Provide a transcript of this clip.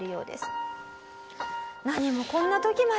何もこんな時まで。